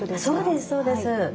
そうですそうです。